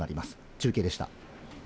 中継でした。